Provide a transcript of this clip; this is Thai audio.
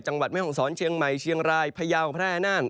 จังหวัดเมฆองศรเชียงใหม่เชียงรายพระยาวพระแอนาล